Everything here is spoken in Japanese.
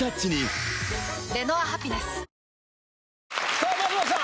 さあ松本さん！